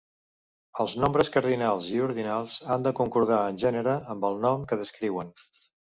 Els nombres cardinals i ordinals han de concordar en gènere amb el nom que descriuen.